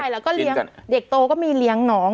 แล้วก็เลี้ยงเด็กโตก็มีเลี้ยงน้อง